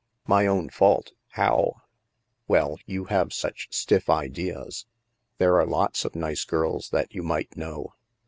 " My own fault ? How ?"" Well, you have such stiff ideas. There are lots of nice girls that you might know."